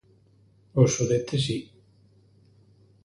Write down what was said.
Os Sudetes, si.